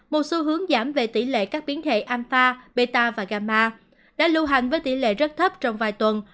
một xu hướng giảm về tỷ lệ các biến thể alpha beta và gamma đã lưu hành với tỷ lệ rất thấp trong vài tuần